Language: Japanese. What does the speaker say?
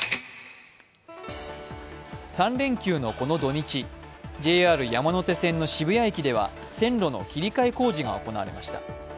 ３連休のこの土日、ＪＲ山手線の渋谷駅では線路の切り替え工事が行われました。